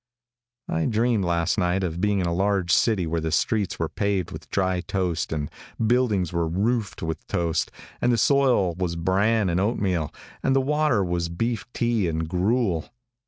I dreamed last night of being in a large city where the streets were paved with dry toast, and the buildings were roofed with toast, and the soil was bran and oat meal, and the water was beef tea and gruel.